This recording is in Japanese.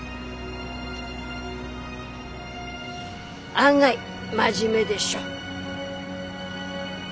案外真面目でしょ？